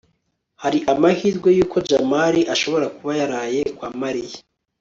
hari amahirwe yuko jamali ashobora kuba yaraye kwa mariya